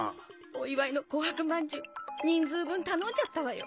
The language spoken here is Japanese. お祝いの紅白まんじゅう人数分頼んじゃったわよ。